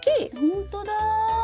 ほんとだ。